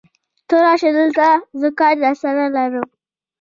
ته راشه دلته، زه کار درسره لرم.